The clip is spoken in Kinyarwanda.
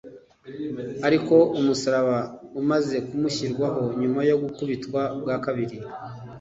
Ariko umusaraba umaze kumushyirwaho nyuma yo gukubitwa bwa kabiri,